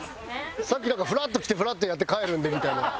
さっきなんか「ふらっと来てふらっとやって帰るんで」みたいな。